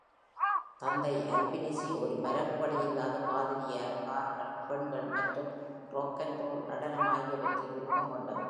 தந்தை அல்பினிசி ஒரு மரபு வழியல்லாத பாதிரியார், கார்கள், பெண்கள் மற்றும் ராக் அண்ட் ரோல் நடனம் ஆகியவற்றில் விருப்பம் கொண்டவர்.